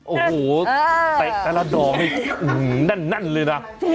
โอ้โหตะละดองให้ไหนเลยนะ